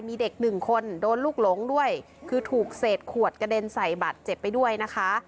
มีเด็กหนึ่งคนโดนลูกหลงด้วยคือถูกเศษขวดกระเด็นใส่บัตรเจ็บไปด้วยนะคะ